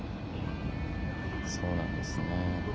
そうなんですね。